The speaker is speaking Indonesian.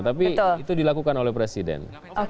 tapi itu dilakukan oleh presiden